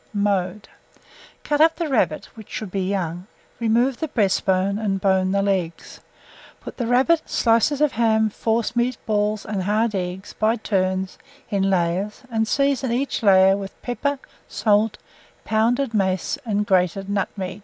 Mode. Cut up the rabbit (which should be young), remove the breastbone, and bone the legs. Put the rabbit, slices of ham, forcemeat balls, and hard eggs, by turns, in layers, and season each layer with pepper, salt, pounded mace, and grated nutmeg.